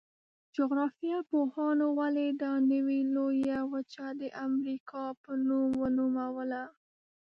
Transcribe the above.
جغرافیه پوهانو ولې دا نوي لویه وچه د امریکا په نوم ونوموله؟